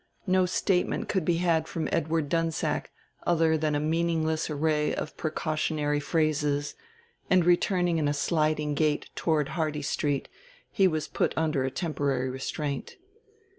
No statement could be had from Edward Dunsack other than a meaningless array of precautionary phrases; and returning in a sliding gait toward Hardy Street he was put under a temporary restraint.